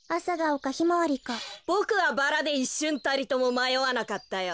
ボクはバラでいっしゅんたりともまよわなかったよ。